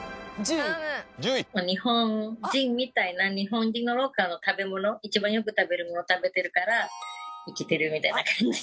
日本人みたいな日本人のローカルな食べ物一番よく食べるもの食べてるからいけてるみたいな感じ。